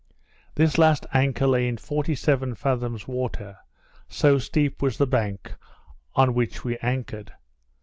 This last anchor lay in forty seven fathoms water; so steep was the bank on which we anchored.